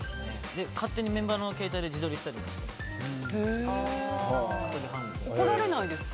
勝手にメンバーの携帯で自撮りしたりしています。